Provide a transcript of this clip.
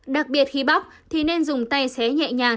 đặc biệt khi bóc thì nên dùng tay xé nhẹ nhàng